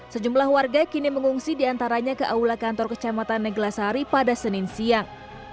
sejumlah warga kini mengungsi diantaranya ke aula kantor kecamatan neglasari pada senin siang